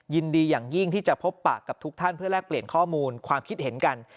ยินดีอย่างยิ่งที่จะพบปากกับทุกท่านเพื่อแลกเปลี่ยนข้อมูลความคิดเห็นกัน